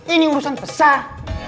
ini urusan besar